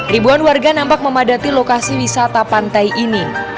ribuan warga nampak memadati lokasi wisata pantai ini